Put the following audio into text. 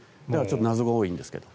謎が多いんですけど。